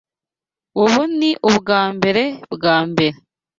Ubu ni ubwambere bwambere.